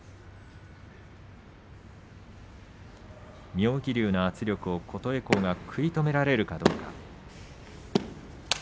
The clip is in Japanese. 妙義龍の圧力を琴恵光が食い止められるかどうか。